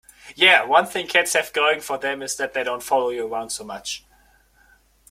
Yeah, one thing cats have going for them is that they don't follow you around so much.